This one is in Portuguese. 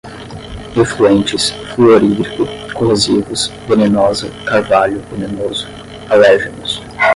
efluentes, fluorídrico, corrosivos, venenosa, carvalho venenoso, alérgenos